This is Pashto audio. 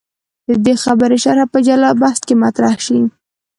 د دې خبرې شرحه په جلا بحث کې مطرح شي.